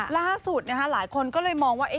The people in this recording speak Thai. ล่าสุดหลายคนก็เลยมองว่า